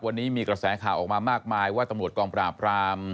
วันนี้มีกระแสข่าวออกมามากมายว่าตำรวจกองปราบราม